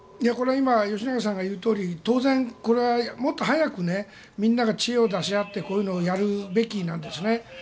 これは今吉永さんが言うとおり当然、これはもっと早くみんなが知恵を出し合ってこういうのをやるべきなんですよね。